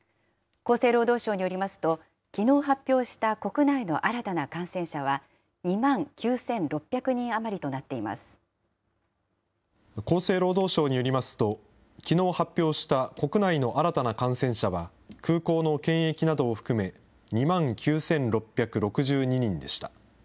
厚生労働省によりますと、きのう発表した国内の新たな感染者は２万９６００人余りとなって厚生労働省によりますと、きのう発表した国内の新たな感染者は、空港の検疫などを含め、２万９６６２人でした。